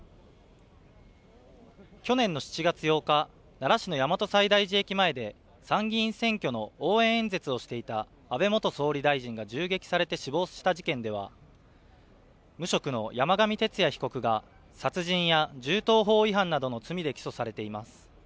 去年の７月８日、奈良市の大和西大寺駅前で参議院選挙の応援演説をしていた安倍元総理大臣が銃撃されて死亡した事件では無職の山上徹也被告が殺人や銃刀法違反などの罪で起訴されています。